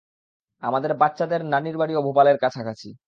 আমাদের বাচ্চাদের নানির বাড়িও ভোপালের কাছাকাছি।